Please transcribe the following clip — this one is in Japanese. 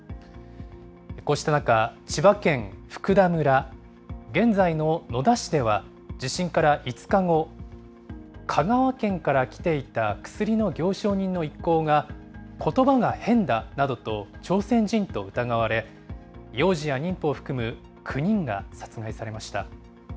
こうした中、千葉県福田村、現在の野田市では、地震から５日後、香川県から来ていた薬の行商人の一行が、ことばが変だなどと、朝鮮人と疑われ、幼児や妊婦を含む９人が殺害されました。